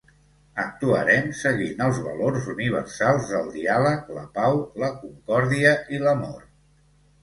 Actuarem seguint els valors universals del diàleg, la pau, la concòrdia i l’amor.